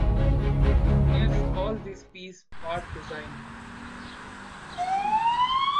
Engineers call this piece part design.